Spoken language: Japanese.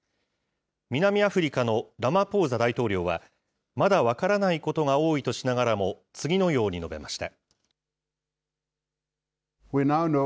南アフリカのラマポーザ大統領は、まだ分からないことが多いとしながらも、次のように述べました。